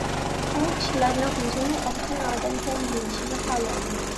ئۇ كىشىلەرنىڭ ئۆزىنى ئەركىن ئادەمكەن دېيىشىنى خالايدۇ.